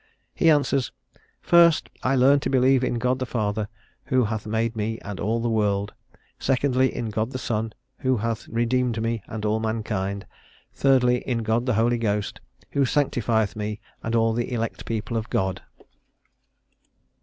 He answers: "First, I learn to believe in God the Father, who hath made me and all the world. Secondly, in God the Son, who hath redeemed me and all mankind. Thirdly, in God the Holy Ghost, who sanctifieth me and all the elect people of God."